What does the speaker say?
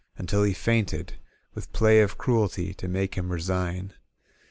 .•• VntU he fainted With play of cruelty To make him resign.